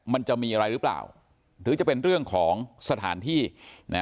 มันจะมีอะไรหรือเปล่าหรือจะเป็นเรื่องของสถานที่นะ